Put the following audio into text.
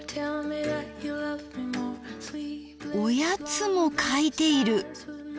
おやつも書いている！